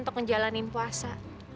untuk ngejalanin puasa